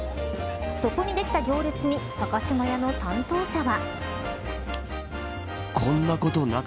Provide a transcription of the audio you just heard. そこにできた行列に高島屋の担当者は。